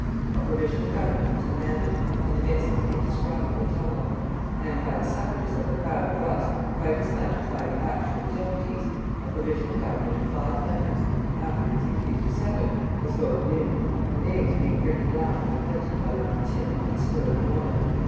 A provisional government was demanded, in the midst of indescribable tumult; and by the suffrages of a crowd of roughs quite as much as by the action of the deputies, a provisional government of five members (afterwards increased to seven) was voted in, the names being written down with a pencil by Lamartine on the spur of the moment.